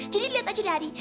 jadi lihat aja dadi